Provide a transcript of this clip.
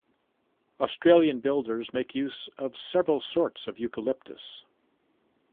Australian builders make use of several sorts of eucalyptus.